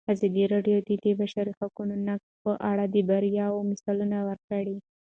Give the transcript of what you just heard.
ازادي راډیو د د بشري حقونو نقض په اړه د بریاوو مثالونه ورکړي.